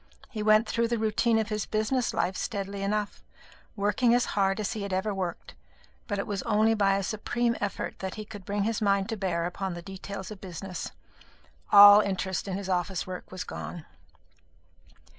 He went through the routine of his business life steadily enough, working as hard as he had ever worked; but it was only by a supreme effort that he could bring his mind to bear upon the details of business all interest in his office work was gone.